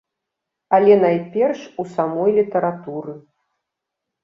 Але найперш у самой літаратуры.